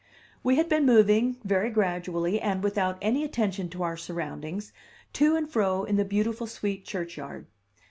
We had been moving, very gradually, and without any attention to our surroundings, to and fro in the beautiful sweet churchyard.